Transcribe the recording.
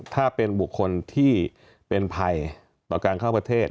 ถ้าเป็นบุคคลที่เป็นภัยต่อการเข้าประเทศ